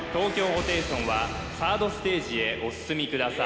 ホテイソンはサードステージへお進みください